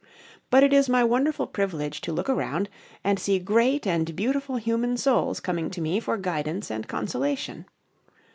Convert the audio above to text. But it is my wonderful privilege to look around and see great and beautiful human souls coming to me for guidance and consolation.